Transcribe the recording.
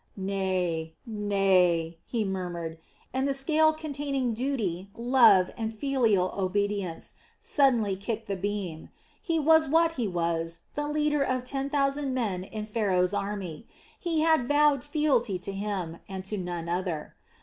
"Nay, nay," he murmured, and the scale containing duty, love, and filial obedience suddenly kicked the beam. He was what he was the leader of ten thousand men in Pharaoh's army. He had vowed fealty to him and to none other.